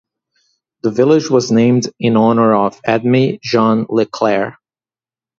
The village was named in honor of Edme-Jean Leclaire.